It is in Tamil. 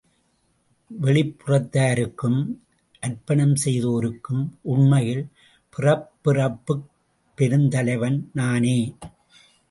வெளிப்புறத்தாருக்கும் அர்ப்பணம் செய்தோருக்கும் உண்மையில் பிறப்பிறப்புப் பெருந்தலைவன் நானே!